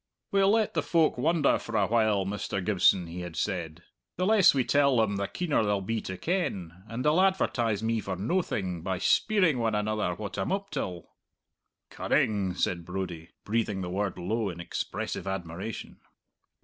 'We'll let the folk wonder for a while, Mr. Gibson,' he had said. 'The less we tell them, the keener they'll be to ken; and they'll advertise me for noathing by speiring one another what I'm up till.'" "Cunning!" said Brodie, breathing the word low in expressive admiration.